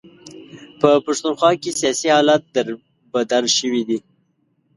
په پښتونخوا کې سیاسي حالات در بدر شوي دي.